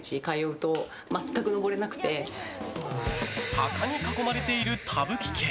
坂に囲まれている田吹家。